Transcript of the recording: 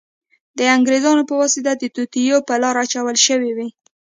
د انګریزانو په واسطه د توطیو په لار اچول شوې وې.